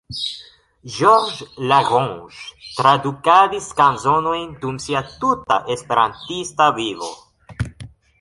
Georges Lagrange tradukadis kanzonojn dum sia tuta Esperantista vivo.